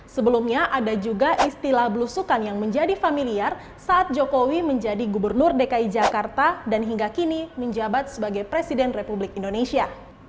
sebelumnya ada juga istilah belusukan yang menjadi familiar saat jokowi menjadi gubernur dki jakarta dan hingga kini menjabat sebagai presiden republik indonesia